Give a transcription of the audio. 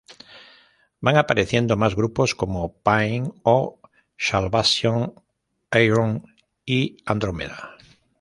Van apareciendo más grupos, como Pain of Salvation, Ayreon y Andromeda.